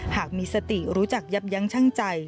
หากมีสติรู้จักยับยั้งชั่งใจ